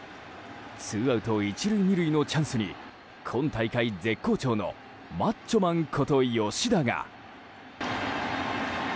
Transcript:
ツーアウト１塁２塁のチャンスに今大会絶好調のマッチョマンこと吉田が。